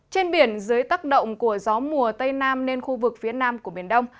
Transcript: trên biển dưới tắc động của gió mùa tây nam nên khu vực phía nam của miền đông